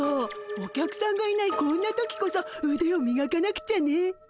お客さんがいないこんな時こそうでをみがかなくちゃね。